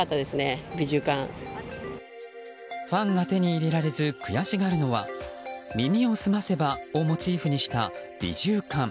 ファンが手に入れられず悔しがるのは「耳をすませば」をモチーフにしたビジュー缶。